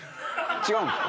違うんですか？